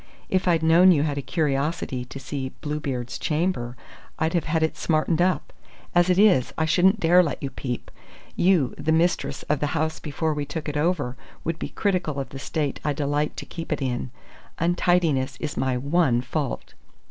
"If I'd known you had a curiosity to see Bluebeard's Chamber, I'd have had it smartened up. As it is, I shouldn't dare let you peep. You, the mistress of the house before we took it over, would be critical of the state I delight to keep it in. Untidiness is my one fault!"